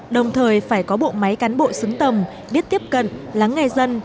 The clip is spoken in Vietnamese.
đồng thời phải có bộ máy cán bộ xứng tầm biết tiếp cận lắng nghe dân